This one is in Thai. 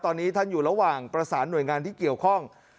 ตอนนี้ท่านอยู่ระหว่างประสานหน่วยงานที่เกี่ยวข้อง